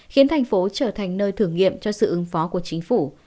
khiến thành phố trở thành nơi thử nghiệm cho sự ứng phó của chính phủ